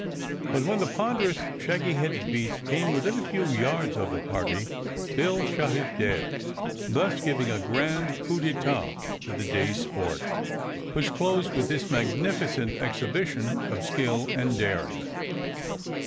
But when the ponderous, shaggy headed beast came within a few yards of the party Bill shot it dead, thus giving a grand coup d'état to the day's sport, which closed with this magnificent exhibition of skill and daring.